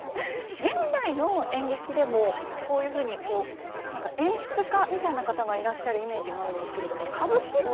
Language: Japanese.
現代の演劇でもこういうふうに何か演出家みたいな方がいらっしゃるイメージがあるんですけれども歌舞伎って。